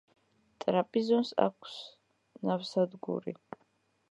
ტრაპიზონს აქვს ნავსადგური.